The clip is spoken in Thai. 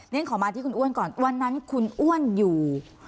นี่ขอมาที่คุณอ้วนก่อนวันนั้นคุณอ้วนอยู่